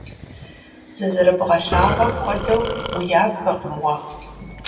Зызэрыбгъэлъагъуэм хуэдэу уябгэкъым уэ.